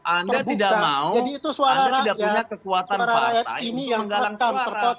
anda tidak mau anda tidak punya kekuatan partai menggalang suara